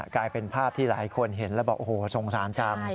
กลายเป็นภาพที่หลายคนเห็นแล้วบอกโอ้โหสงสารจัง